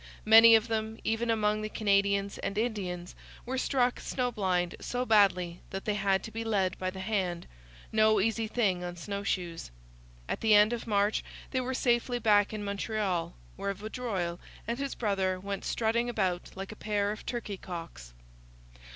Many of them, even among the Canadians and Indians, were struck snowblind so badly that they had to be led by the hand no easy thing on snow shoes. At the end of March they were safely back in Montreal, where Vaudreuil and his brother went strutting about like a pair of turkey cocks.